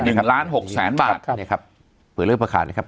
หนึ่งล้านหกแสนบาทครับเนี้ยครับเผื่อเลือกเผื่อขาดนะครับ